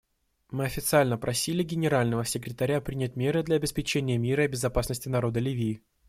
Мы официально просили Генерального секретаря принять меры для обеспечения мира и безопасности народа Ливии.